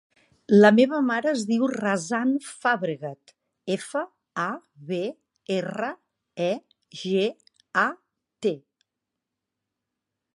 La meva mare es diu Razan Fabregat: efa, a, be, erra, e, ge, a, te.